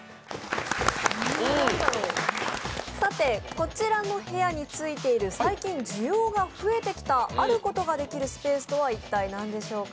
こちらの部屋についている最近需要が増えてきたあることができるスペースとは一体何でしょうか？